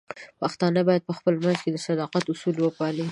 پښتانه بايد په خپل منځ کې د صداقت اصول وپالي.